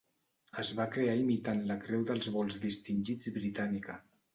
Es va crear imitant la Creu dels Vols Distingits britànica.